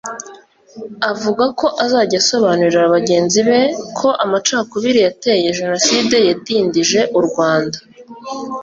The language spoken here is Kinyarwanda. Avuga ko azajya asobanurira bagenzi be ko amacakubiri yateye Jenoside yadindije u Rwanda